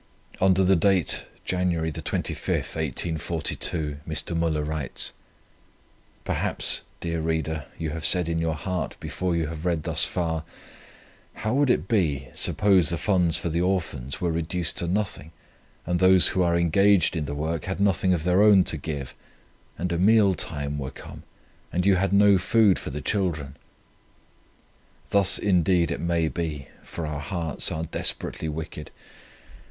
Under the date Jan. 25, 1842, Mr. Müller writes: "Perhaps, dear reader, you have said in your heart before you have read thus far: 'How would it be, suppose the funds for the Orphans were reduced to nothing, and those who are engaged in the work had nothing of their own to give, and a meal time were come, and you had no food for the children.' "Thus indeed it may be, for our hearts are desperately wicked.